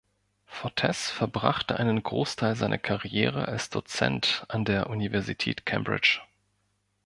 Fortes verbrachte einen Großteil seiner Karriere als Dozent an der Universität Cambridge.